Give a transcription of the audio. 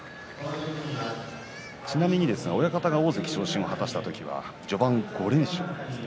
ちなみに親方が大関昇進を果たした時には序盤５連勝でした。